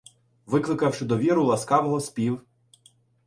Викликавши довіру ласкавого, спів